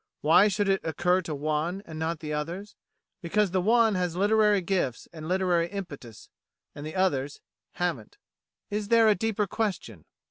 Why should it "occur" to one and not the others? Because the one has literary gifts and literary impetus, and the others haven't. Is there a Deeper Question?